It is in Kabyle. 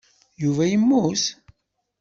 Yuba yemmut.